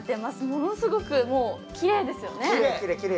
ものすごくきれいですよね。